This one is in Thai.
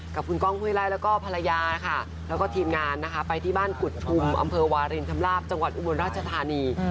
กับคุณก้องห้วยไล่แล้วก็ภรรยาค่ะแล้วก็ทีมงานนะคะไปที่บ้านกุฎชุมอำเภอวารินคำลาบจังหวัดอุบลราชธานี